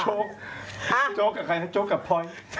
โจ๊กโจ๊กกับใครโจ๊กกับพลอย